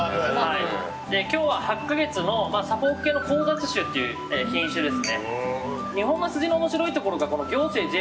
今日は８か月のサフォーク系の交雑種という品種です。